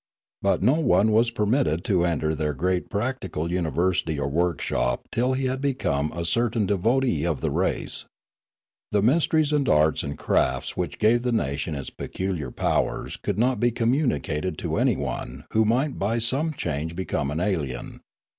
But no one was permitted to enter their great practical university or workshop till he had become a certain devotee of the race. The mysteries and arts and crafts which gave the nation its peculiar powers could not be communicated to anyone who might by some change become an alien.